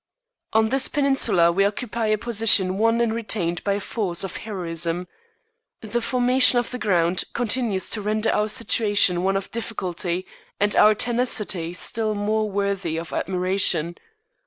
On this peninsula we occupy a position won and retained by force of heroism. The formation of the ground continues to render our situation one of difficulty and our tenacity still more worthy of admiration.